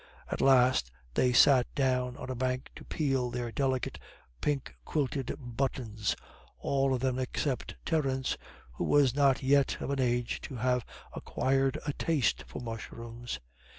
At last they sat down on a bank to peel their delicate, pink quilted buttons, all of them except Terence, who was not yet of an age to have acquired a taste for mushrooms.